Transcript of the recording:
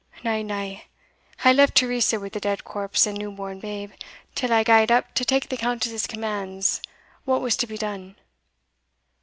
Na, na, I left Teresa wi' the dead corpse and new born babe, till I gaed up to take the Countess's commands what was to be done.